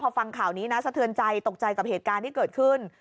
พอฟังข่าวนี้นะสะเทือนใจตกใจกับเหตุการณ์ที่เกิดขึ้น